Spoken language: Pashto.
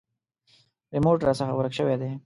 ریموټ راڅخه ورک شوی دی .